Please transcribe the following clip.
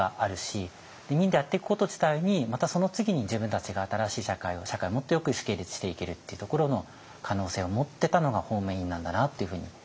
民でやっていくこと自体にまたその次に自分たちが新しい社会を社会をもっとよくしていけるっていうところの可能性を持ってたのが方面委員なんだなというふうに思いますね。